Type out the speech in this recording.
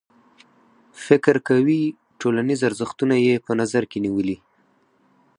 فکر کوي ټولنیز ارزښتونه یې په نظر کې نیولي.